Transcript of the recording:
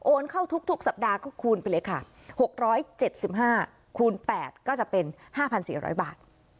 เข้าทุกสัปดาห์ก็คูณไปเลยค่ะ๖๗๕คูณ๘ก็จะเป็น๕๔๐๐บาท